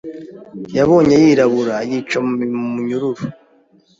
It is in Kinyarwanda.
Yabonye yirabura yica Mu munyururu